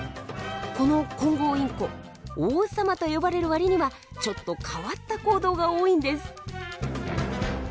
このコンゴウインコ王様と呼ばれる割にはちょっと変わった行動が多いんです。